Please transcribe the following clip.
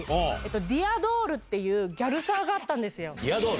ＤｅａｒＤｏｌｌっていうギャルサーがあったんですよ。